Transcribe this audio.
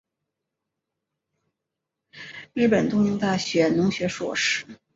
日本东京大学农学硕士。